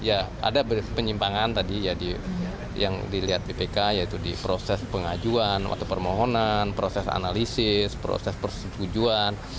ya ada penyimpangan tadi ya yang dilihat bpk yaitu di proses pengajuan waktu permohonan proses analisis proses persetujuan